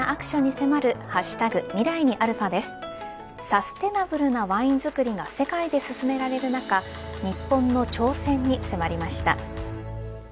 サステナブルなワイン造りが世界で進められる中日本の挑戦に迫りました。